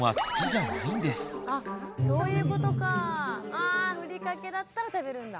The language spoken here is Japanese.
あふりかけだったら食べるんだ。